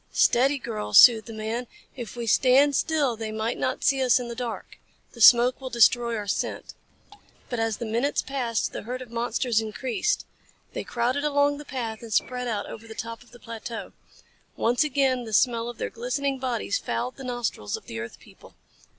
"Steady, girl," soothed the man. "If we stand still they might not see us in the dark. The smoke will destroy our scent." But as the minutes passed the herd of monsters increased. They crowded along the path and spread out over the top of the plateau. Once again the smell of their glistening bodies fouled the nostrils of the earth people.